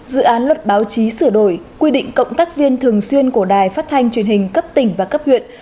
dự án luật báo chí sửa đổi quy định cộng tác viên thường xuyên của đài phát thanh truyền hình cấp tỉnh và cấp huyện